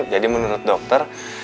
jadi menurut dokter